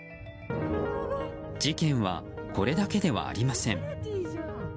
事件は、これだけではありません。